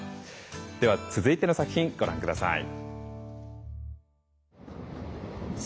では続いての作品ご覧下さい。